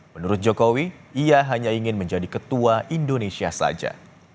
menurut jokowi ia hanya ingin menjadi ketua indonesia saja